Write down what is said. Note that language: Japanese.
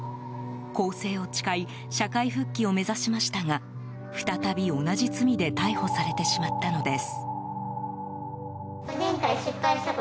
更生を誓い社会復帰を目指しましたが再び、同じ罪で逮捕されてしまったのです。